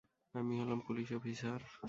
আমি হলাম police officer.